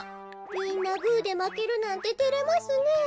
みんなグーでまけるなんててれますねえ。